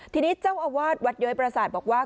ทีนี้เจ้าอาวาสวัดย้อยประสาทบอกว่า